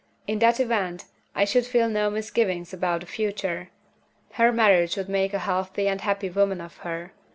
In that event, I should feel no misgivings about the future. Her marriage would make a healthy and a happy woman of her.